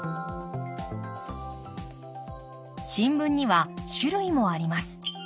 新聞には種類もあります。